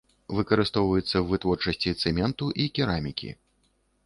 Выкарыстоўваецца ў вытворчасці цэменту і керамікі.